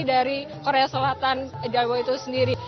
dari korea selatan dargo itu sendiri